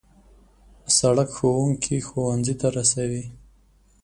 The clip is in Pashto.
سړک ښوونکي ښوونځي ته رسوي.